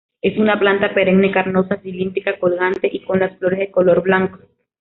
Es una planta perenne carnosa, cilíndrica-colgante y con las flores de color blanco.